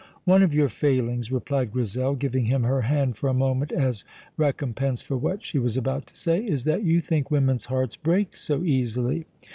"One of your failings," replied Grizel, giving him her hand for a moment as recompense for what she was about to say, "is that you think women's hearts break so easily.